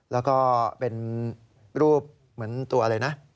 แล้วก็เป็นรูปเหมือนตัวอะไรนะ